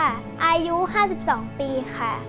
อายุ๕๒ปีค่ะ